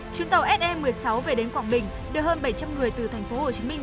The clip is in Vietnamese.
chuyến tàu se một mươi sáu về đến quảng bình đưa hơn bảy trăm linh người từ thành phố hồ chí minh